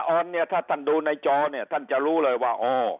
ออนเนี่ยถ้าท่านดูในจอเนี่ยท่านจะรู้เลยว่าอ๋อ